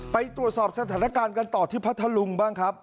ไปตรวจสอบสถานการณ์กันต่อที่พัทธลุงบ้างครับ